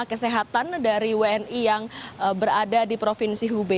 kesehatan dari wni yang berada di provinsi hubei